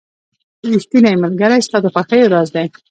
• ریښتینی ملګری ستا د خوښیو راز دی.